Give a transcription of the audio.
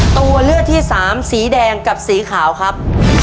ตัวเลือกที่สามสีแดงกับสีขาวครับ